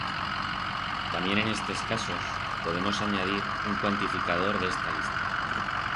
Tamién en estes casos, podemos anyadir un cuantificador d'esta lista.